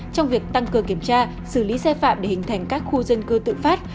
trong việc tăng cường kiểm tra xử lý xe phạm để hình thành các khu dân cư tự phát